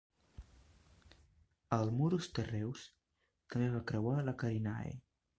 El Murus Terreus també va creuar la Carinae.